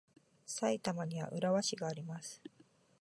埼玉には浦和市があります。